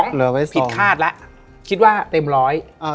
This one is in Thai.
เหลือไว้๒ผิดคาดแล้วคิดว่าเต็ม๑๐๐ครับ